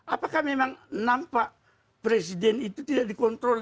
apakah memang nampak presiden itu tidak dikontrol